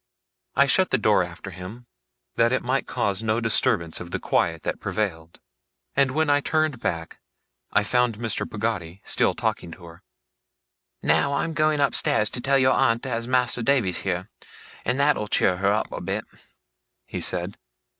I shut the door after him, that it might cause no disturbance of the quiet that prevailed; and when I turned back, I found Mr. Peggotty still talking to her. 'Now, I'm a going upstairs to tell your aunt as Mas'r Davy's here, and that'll cheer her up a bit,' he said.